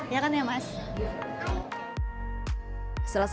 ya kan ya mas